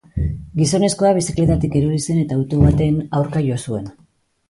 Gizonezkoa bizikletatik erori zen eta auto baten aurka jo zuen.